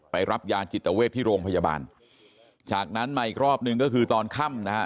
รับยาจิตเวทที่โรงพยาบาลจากนั้นมาอีกรอบหนึ่งก็คือตอนค่ำนะฮะ